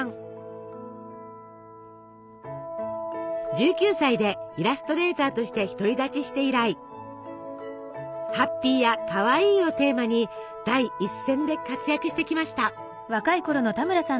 １９歳でイラストレーターとして独り立ちして以来ハッピーやかわいいをテーマに第一線で活躍してきました。